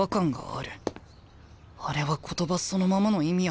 あれは言葉そのままの意味やったんか？